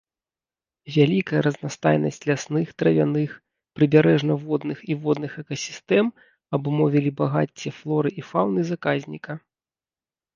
Вялікая разнастайнасць лясных, травяных, прыбярэжна-водных і водных экасістэм абумовілі багацце флоры і фаўны заказніка.